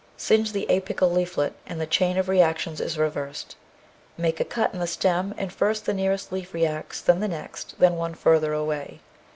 Singe the apical leaflet and the chain of reactions is reversed. Make a cut in the stem, and first the nearest leaf reacts, then the next, then one further away.